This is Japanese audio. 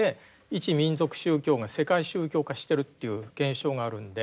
一民族宗教が世界宗教化しているという現象があるので。